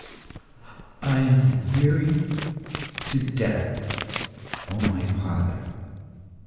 "I am weary to death, O my father!